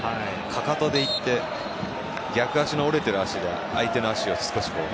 かかとで行って逆足の折れてる足で相手の足を。